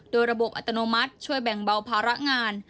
โดยระบบอัตโนมัติช่วยแบ่งเบาภาระงาน